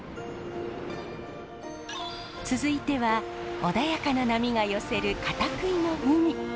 続いては穏やかな波が寄せる方杭の海。